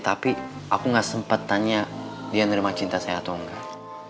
tapi aku nggak sempat tanya dia nerima cinta saya atau enggak